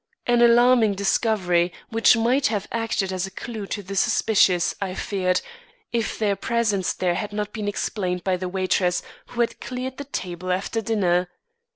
An alarming discovery which might have acted as a clew to the suspicious I feared, if their presence there had not been explained by the waitress who had cleared the table after dinner.